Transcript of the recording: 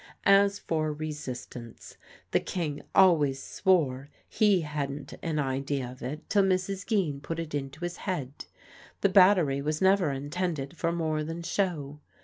As for resistance, the King always swore he hadn't an idea of it till Mrs. Geen put it into his head. The battery was never intended for more than show.